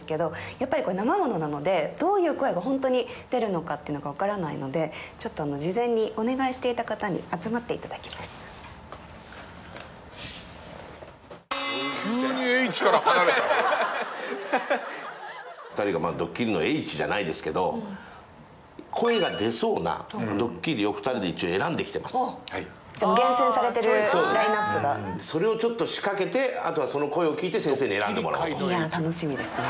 やっぱりなまものなのでどういう声がホントに出るのかっていうのが分からないのでちょっとあの事前にお願いしていた方に集まっていただきましたじゃないですけど声が出そうなドッキリを２人で一応選んできてますじゃ厳選されてるラインナップがそうですそれをちょっと仕掛けてあとはその声を聞いて先生に選んでもらおうとはいいや楽しみですね